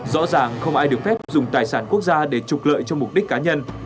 rõ ràng không ai được phép dùng tài sản quốc gia để trục lợi cho mục đích cá nhân